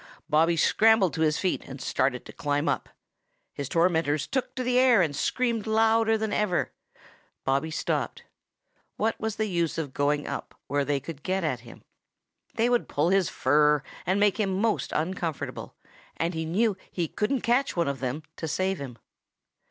Bobby scrambled to his feet and started to climb up. His tormentors took to the air and screamed louder than ever. Bobby stopped. What was the use of going up where they could get at him? They would pull his fur and make him most uncomfortable, and he knew he couldn't catch one of them to save him.